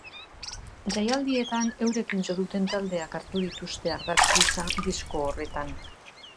Jaialdietan eurekin jo duten taldeak hartu dituzte ardatz gisa disko horretan.